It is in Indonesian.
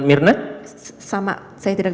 mirna sama saya tidak